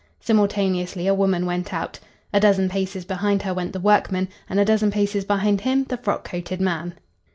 Simultaneously a woman went out. A dozen paces behind her went the workman, and a dozen paces behind him the frock coated man.